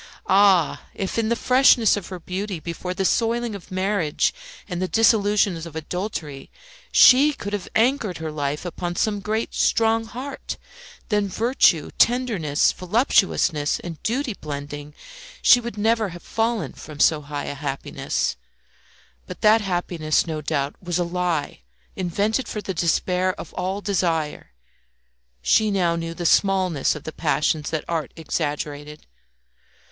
Ah! if in the freshness of her beauty, before the soiling of marriage and the disillusions of adultery, she could have anchored her life upon some great, strong heart, then virtue, tenderness, voluptuousness, and duty blending, she would never have fallen from so high a happiness. But that happiness, no doubt, was a lie invented for the despair of all desire. She now knew the smallness of the passions that art exaggerated.